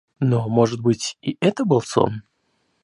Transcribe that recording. Но, может быть, и это был сон?